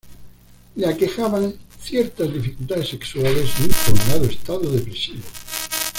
Le aquejaban ciertas dificultades sexuales y un prolongado estado depresivo.